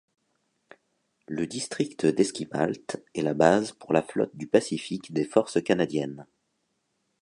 Le district d'Esquimalt est la base pour la flotte du pacifique des Forces canadiennes.